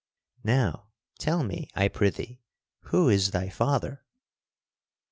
Now tell me, I prithee, who is thy father?"